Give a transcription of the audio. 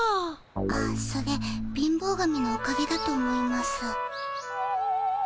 あそれ貧乏神のおかげだと思います。